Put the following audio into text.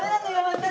私。